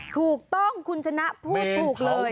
ถูกต้องคุณชนะพูดถูกเลย